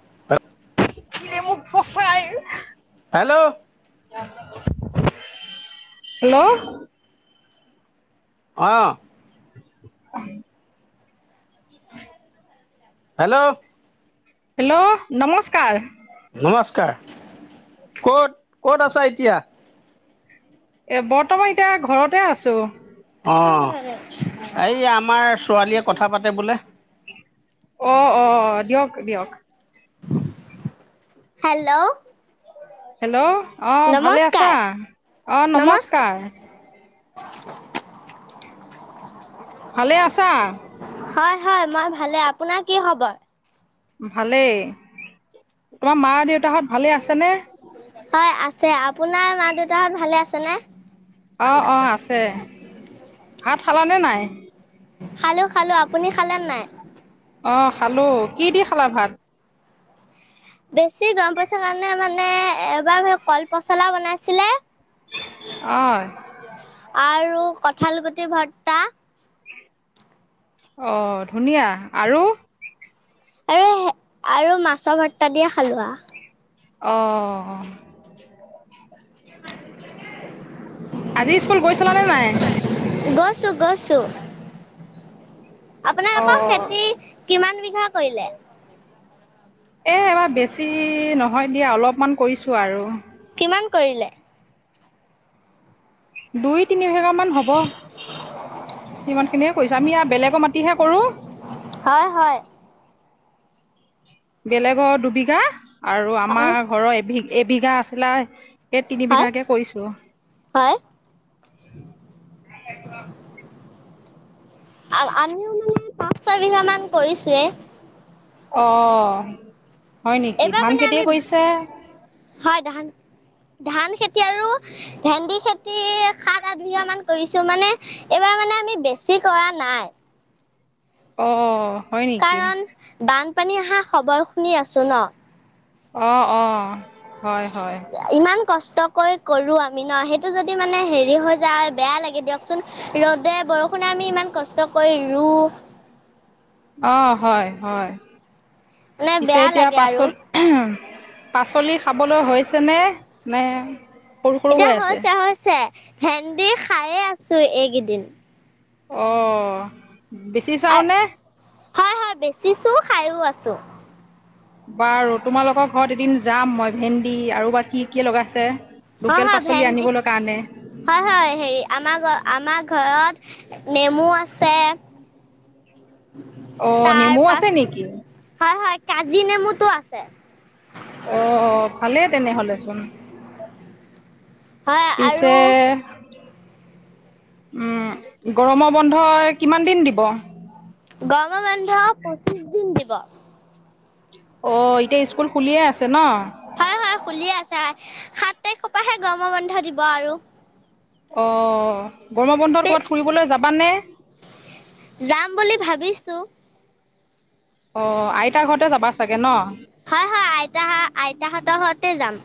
[unintelligible] [unintelligible] Hello hello অহ [unintelligible] [unintelligible] hello hello নমস্কাৰ নমস্কাৰ ক'ত ক'ত আছা এতিয়া? এ বৰ্তমান এতিয়া ঘৰতে আছো অহ এই আমাৰ ছোৱালীয়ে কথা পাতে বোলে অহ অহ দিয়ক দিয়ক হেল্ল' হেল্ল অহ ভালে নমস্কাৰ আছা? অহ নমস্কাৰ। [inaudible] ভালে আছা? হয় হয় মই ভালে, আপোনাৰ কি খবৰ? ভালেই। তোমাৰ মাৰ-দেউতাহঁত ভালেই আছেনে? হয় আছে, আপোনাৰ মা-দেউতাহত ভালে আছে নে? অহ অহ আছে। ভাত খালানে নাই? খালো খালো, আপুনি খালে নে নাই? অহ খালো, কি দি খালা ভাত? বেছি গৰম পৰিচে কাৰণে মানে এবাৰ হে কল পচলা বনাইছিলে অয় আৰু কঠাল গুটি ভৰ্তা। অ ধুনীয়া, আৰু? আৰু হে আৰু মাছৰ ভৰ্তা দিয়ে খালো আও অ আজি স্কুল গৈছিলা নে নাই? গৈছো গৈছো আপোনা অ অ। খেতি কিমান বিঘা কৰিলে? এই এইবাৰ বেছি নহয় দিয়া অলপমান কৰিছো আৰু। কিমান কৰিলে? দুই তিনি বিঘা মান হ'ব। সিমান খিনিয়ে কৰিছো আমি আও বেলেগৰ মাটিহে কৰো। হয় হয়। বেলেগৰ দুবিঘা আৰু হয় আমাৰ ঘৰৰ এবি এবিঘা আছিলে এই তিন হয় বিঘাকে কৰিছোঁ। হয়। আও আমিও মানে পাঁচ ছয়বিঘা মান কৰিছোয়ে। অ হয় নেকি? এইবাৰ ধান মানে আমি খেতিয়ে কৰিছে? হয় ধান, ধান খেতি আৰু ভেন্দি খেতি সাত আঠ বিঘা মান কৰিছো মানে এইবাৰ মানে আমি বেছি কৰা নাই। অ। কাৰণ বানপানী আহা খবৰ শুনি আছো ন, অ অ হয় হয়। ইমান কষ্ট কৰি কৰো আমি ন সেইটো যদি মানে হেৰি হৈ যায় বেয়া লাগে দিয়ক চোন, ৰ'দে বৰষুণে আমি ইমান কষ্ট কৰি ৰুওঁ। অ হয় হয়, মানে পিছে বেয়া এতিয়া লাগে পাচ আৰু। পাচলি খাবলৈ হৈছেনে? নে সৰু সৰু এতিয়া হৈ আছে হৈছে হৈছে, ভেন্দি খাইয়ে আছো এইকেইদিন। অ, বেচি চাও নে? হয় হয় বেচিছোঁ খাইয়ো আছোঁ। বাৰু তোমালোকৰ ঘৰত এদিন যাম মই ভেন্দি আৰু বা কি কি লগাইছে, হয় লোকেল হয় পাচলি ভেন্দি আনিবলৈ কাৰণে। হয় হয় হেৰি আমাৰ ঘ আমাৰ ঘৰত নেমু আছে, অ', নেমু তাৰ পাছ আছে নেকি? হয় হয় কাজি নেমুটো আছে। অ অ ভালেই তেনেহলে চোন। হয় আৰু পিছে উম, গৰমৰ বন্ধ কিমান দিন দিব? গৰমৰ বন্ধ পঁচিশ দিন দিব। অ এতিয়া স্কুল খুলিয়ে আছে ন? হয় হয় খুলিয়ে আছে, সাত তাৰিখৰ পৰাহে গৰম বন্ধ দিব আৰু। অ, গৰমৰ বন্ধত ক'ৰবাত ফুৰিবলৈ যাবানে? যাম বুলি ভাবিছো। অ আইতাৰ ঘৰতে যাবা চাগে ন? হয় হয় আইতাহা আইতাহঁতৰ ঘৰতে যাম।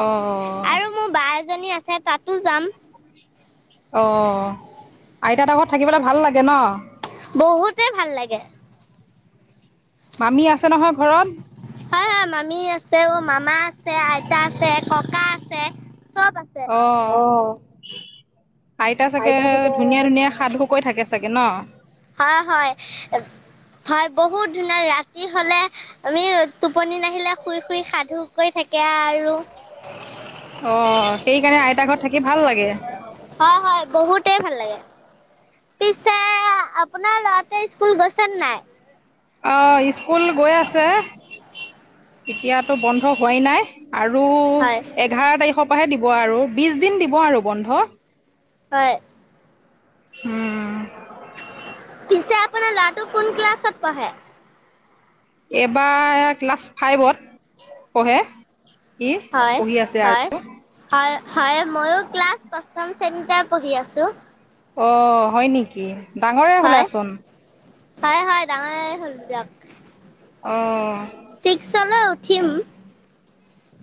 অ। আৰু মোৰ বা এজনী আছে তাতো যাম অ আইতা হঁতৰ ঘৰত থাকিবলে ভাল লাগে ন বহুতেই ভাল লাগে। মামী আছে নহয় ঘৰত হয় হয় মামী আছেও মামা আছে আইতা আছে ককা আছে চব আছে অহ আইতা চাগে ধুনীয়া ধুনীয়া সাধু কয় থাকে চাগে ন? হয় হয় এব হয় বহুত ধুনীয়া ৰাতি হ'লে আমি টোপনি নাহিলে শুই শুই সাধু কয় থাকে আৰু অহ সেইকাৰণে আইতা ঘৰত থাকি ভাল লাগে। হয় হয় বহুতে ভাল লাগে। পিছে আপোনাৰ ল'ৰাটোৱে স্কুল গৈছে নে নাই? অ স্কুল গৈ আছে, এতিয়াতো বন্ধ হোৱাই নাই। আৰু হয় এঘাৰ তাৰিখৰ পৰাহে দিব আৰু বিশ দিন দিব আৰু বন্ধ। হয়। উম। পিছে আপোনাৰ ল'ৰাটো কোন ক্লাছত পঢ়ে? এইবাৰ ক্লাছ ফাইভত পঢ়ে। সি হয় পঢ়ি আছে আৰু হয়। হয় হয় ময়ো ক্লাছ পঞ্চম শ্ৰেণীতে পঢ়ি আছোঁ। অ হয় নেকি ডাঙৰে হয় হ'লাচোন। হয় হয় ডাঙৰে হ'লো দিয়ক। অঁ ছিক্সলৈ উঠিম।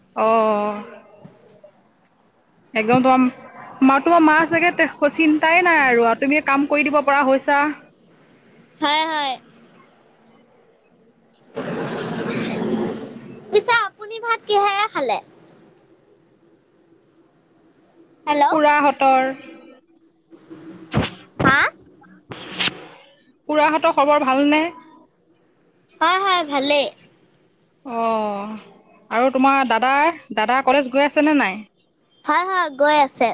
অহ। অ। একদম তোমা মা তোমাৰ মা চাগে [unintelligible] চিন্তাই নাই আৰু তুমি কাম কৰি দিব পৰা হৈ ছা। হয় হয়। [inaudible] পিছে [inaudible] আপুনি ভাত কিহেৰে খালে? হেল্ল'। খুৰাহঁতৰ হা? খুৰাহঁতৰ খবৰ ভাল নে? হয় হয় ভালেই। অহ আৰু তোমাৰ দাদাৰ দাদা কলেজ গৈ আছে নে নাই? হয় হয় গৈ আছে।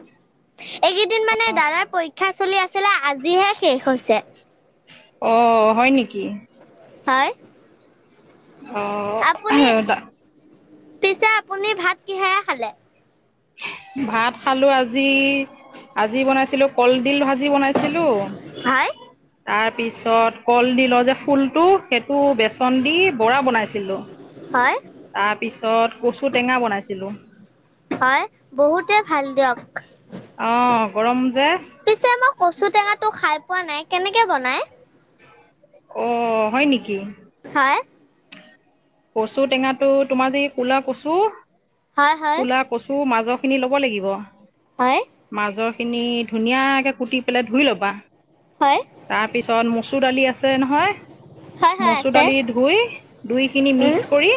এইকেইদিন মানে দাদাৰ পৰীক্ষা চলি আছিলে আজিহে শেষ হৈছে। অ হয় নেকি? হয়। অহ আপুনি হা দা পিছে আপুনি ভাত কিহেৰে খালে? ভাত খালো আজি আজি বনাইছিলো কলডিল ভাজি বনাইছিলো। হয় তাৰপিছত কলডিলৰ যে ফুলটো সেইটো বেচন দি বৰা বনাইছিলোঁ। হয়। তাৰপিছত কচু টেঙা বনাইছিলো। হয় বহুতে ভাল দিয়ক অ গৰম যে। পিছে মই কচু টেঙাটো খাই পোৱা নাই, কেনেকে বনাই? অ হয় নেকি? হয়। কচু টেঙাটো তোমাৰ যি কুলা কচু হয় হয় কুলা। কচু মাজৰখিনি ল'ব লাগিব। হয়, মাজৰ খিনি ধুনীয়াকে কুটি পেলাই ধুই ল'বা। হয় তাৰ পিছত মচুৰ দালি আছে নহয়। হয় হয় মচুৰ আছে দালি ধুই দুই খিনি উম মিক্স কৰি!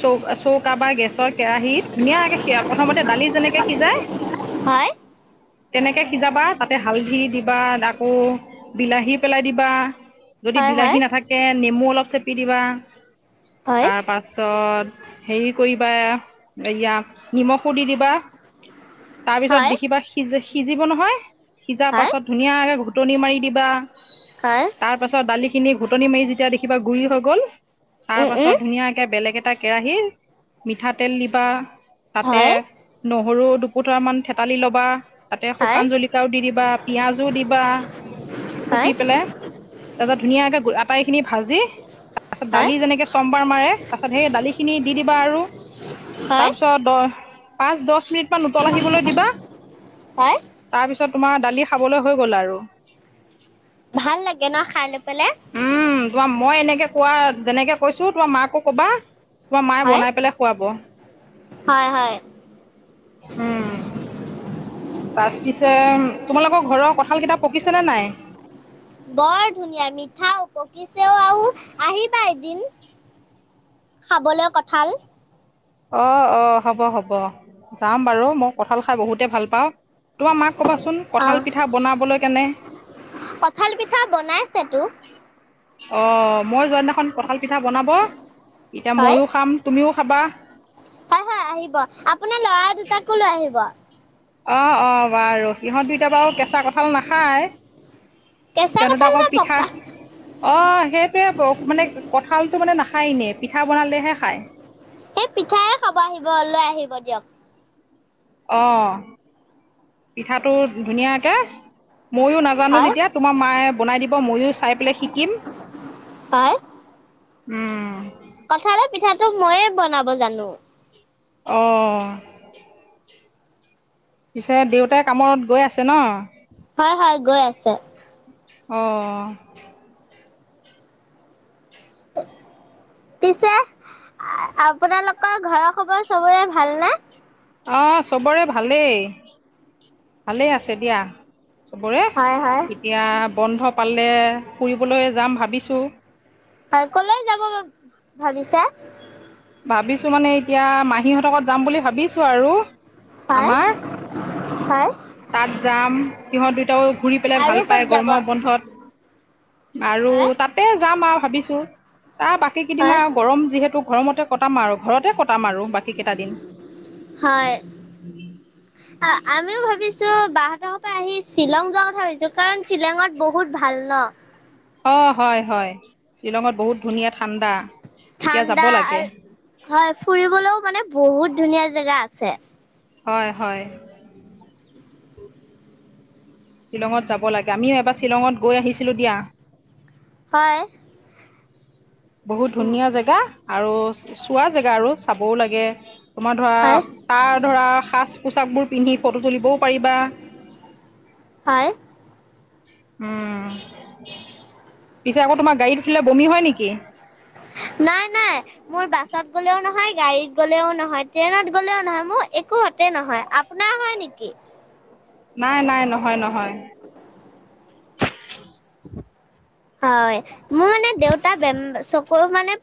চৌ চৌকা বা গেছৰ কেৰাহীত ধুনীয়াকে সিয়া প্ৰথমতে দালি যেনেকে সিজায়। হয়, তেনেকে সিজাবা তাতে হালধি দিবা আকৌ! বিলাহী পেলাই দিবা, যদি হয় হয় বিলাহী নাথাকে নেমু অলপ চেপি দিবা। হয় তাৰ পাছত হেৰি কৰিবা এয়া। নিমখো দি দিবা, তাৰপিছত হয় দেখিবা সিযে সিজিব নহয় সিজাৰ হয় পাছত। ধুনীয়াকে ঘোটনী মাৰি দিবা। হয়, তাৰপাছত দালিখিনি ঘুটনি মাৰি যেতিয়া দেখিবা গুৰি হৈ গ'ল। তাৰ উম পাছত উম ধুনীয়াকে বেলেগ এটা কেৰাহী মিঠাতেল দিবা তাতে। হয় নহৰু দুপোটৰা মান থেতালি ল'বা। তাতে হয় শুকান জলকিয়াও দি দিবা পিয়াযো দিবা। কুটি হয় পেলাই তাৰ পিছত, ধুনীয়াকে অ আটাই খিনি ভাজি? তাৰপাছত হয় দালি যেনেকে চমবাৰ মাৰে, তাৰপিছত সেই দালিখিনি দি দিবা আৰু হয় তাৰপিছত দহ পাঁচ দছ মিনিট মমান উতল আহিবলৈ দিবা। হয় তাৰ পিছত তোমাৰ দালি খাবলৈ হৈ গ'ল আৰু। ভাল লাগে ন খাই লৈ পেলাই। উম তোমাৰ মই এনেকে কোৱা, যেনেকে কৈছো তোমাৰ মাকো কবা। তোমাৰ মায়ে হয় বনাই পেলাই খুৱাব। হয় হয় উম। বাছ পিছে তোমালোকৰ ঘৰৰ কঠাল, কেইটা পকিছে নে নাই? বৰ ধুনীয়া মিঠাও পকিছেও আউ আহিবা এদিন। খাবলৈ কঁঠাল। অ, অ হ'ব, হ'ব যাম বাৰু মও কঠাল খাই বহুতে ভাল পাওঁ। তোমাৰ মাক কবাচোন কঁঠাল পিঠা বনাবলৈ কেনে কঠাল পিঠা বনাইছে তো। অ মই যইদিনাখন কঁঠাল পিঠা বনাব এতিয়া হয় ময়ো খাম তুমিও খাবা। হয় হয়, আহিব আপোনাৰ লৰা দুটাকো লৈ আহিব। অ অ বাৰু সিহঁত দুইটা বাউ, কেঁচা কঁঠাল নাখায় কেঁচা কিয়টো কঁঠাল তাকৌ। নহয় পিঠা, পকা অ সেইটোৱে ব মানে কঠালটো মানে, নাখায় এনে পিঠা বনালেহে খায়। সেই পিঠাই খাব আহিব লৈ আহিব দিয়ক। অ পিঠাটো ধুনীয়াকে ময়ো না। জানো হয় যেতিয়া তোমাৰ মায়ে বনাই দিব ময়ো চাই পেলাই শিকিম। উম, কঠালৰ পিঠাটো ময়ে বনাব জানো? অ, পিছে দেউতাই কামত গৈ আছে ন'? হয় হয়, গৈ আছে। অঁ। পিছে আপোনালকৰ ঘৰৰ খবৰ চবৰে ভাল নে? অঁ' চবৰে ভালেই, ভালেই আছে দিয়া। চবৰে, হয় হয় এতিয়া বন্ধ পালে ফুৰিবলৈ যাম ভাবিছোঁ। কলৈ যাব ভাবিছা? ভাবিছোঁ মানে এতিয়া মাহীহঁতৰ ঘৰত যাম বুলি ভাবিছোঁ আৰু। পায়। আমাৰ পায়। তাত যাম সিহঁত দুয়োটাও ঘূৰি পেলাই ভাল আৰু ক'ত পায় যাব? গৰমৰ বন্ধত। [unintelligible] আৰু হয় তাতে জাম আও ভাবিছোঁ, তাৰ বাকী কেইদিন হয় আও গৰম যিহেতু গৰমতে- কটাম আৰু ঘৰতে কটাম আৰু বাকী কেইটা দিন। হয় আমিও ভাবিছোঁ বাহঁতৰ ঘৰৰ পৰা আহি শ্বিলং যোৱাৰ কথা ভাবিছোঁ কাৰণ শ্বিলঙত বহুত ভাল ন। অঁ' হয় হয়, শ্বিলঙত বহুত ধুনীয়া ঠাণ্ডা। এতিয়া যাব ঠাণ্ডা লাগে আৰু হয়, ফুৰিবলৈও মানে বহুত ধুনীয়া জেগা আছে। হয় হয়। শ্বিলঙত যাব লাগে, আমিও এবাৰ শ্বিলঙত গৈ আহিছিলো দিয়া। হয়। বহুত ধুনীয়া জেগা আৰু চোৱা জেগা আৰু চাবও লাগে। তোমাৰ ধৰা হয় তাৰ ধৰা সাজ পোছাকবোৰ পিন্ধি ফটো তুলিবও পাৰিবা। হয়। উমঁ' পিছে আকৌ তোমাৰ গাড়ীত উঠিলে বমি হয় নেকি? নাই নাই। মোৰ বাছত গ'লেও নহয়, গাড়ীত গ'লেও নহয়, ট্ৰেইনত গ'লেও নহয়, মোৰ একোহতে নহয়। আ আপোনাৰ হয় নেকি? নাই নাই, নহয় নহয়। হয়, মোৰ মানে দেউতা বেম, চকু মানে-